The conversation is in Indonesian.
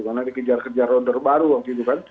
karena dikejar kejar order baru waktu itu kan